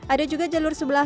ada juga jalur sebelumnya